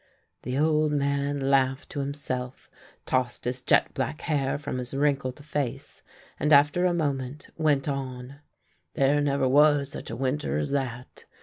The old man laughed to himself, tossed his jet black hair from his wrinkled face, and, after a moment, went on :" There never was such a winter as that.